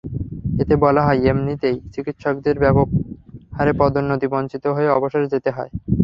এতে বলা হয়, এমনিতেই চিকিৎসকদের ব্যাপক হারে পদোন্নতিবঞ্চিত হয়ে অবসরে যেতে হয়।